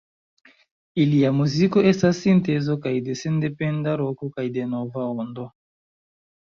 Ilia muziko estas sintezo kaj de sendependa roko kaj de Nova ondo.